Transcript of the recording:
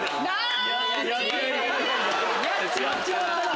やっちまったな！